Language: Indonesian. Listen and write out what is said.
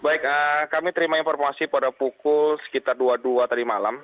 baik kami terima informasi pada pukul sekitar dua puluh dua tadi malam